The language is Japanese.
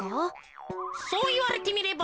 そういわれてみれば。